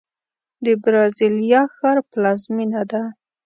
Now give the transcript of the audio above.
د برازیلیا ښار پلازمینه ده.